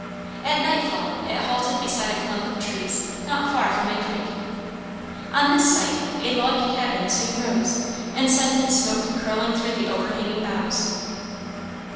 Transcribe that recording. At night fall it halted beside a clump of trees not far from a creek. On this site a log cabin soon rose and sent its smoke curling through the overhanging boughs.